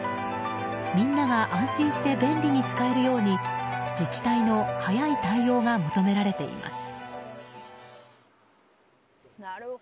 みんなが安心して便利に使えるように自治体の早い対応が求められています。